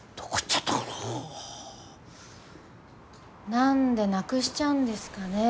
何でなくしちゃうんですかね